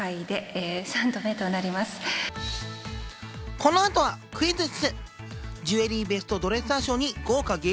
この後はクイズッス！